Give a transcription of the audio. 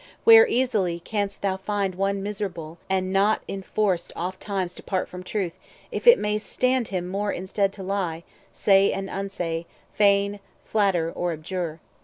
Where 470 Easily canst thou find one miserable, And not inforced oft times to part from truth, If it may stand him more in stead to lie, Say and unsay, feign, flatter, or abjure?